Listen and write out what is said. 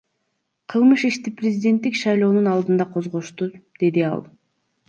Кылмыш ишти президенттик шайлоонун алдында козгошту, — деди ал.